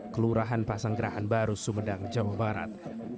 kelurahan pasanggerahan baru sumedang jawa barat